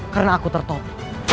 karena aku tertopi